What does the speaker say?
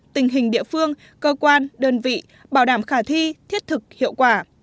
tình hình địa phương cơ quan đơn vị bảo đảm khả thi thiết thực hiệu quả